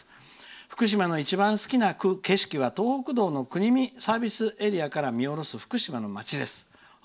福島の一番好きな景色は東北道の国見サービスエリアから見下ろす福島の街です。